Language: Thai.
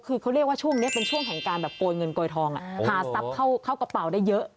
คือเขาเรียกว่าช่วงนี้เป็นช่วงแห่งการแบบโกยเงินโกยทองหาทรัพย์เข้ากระเป๋าได้เยอะ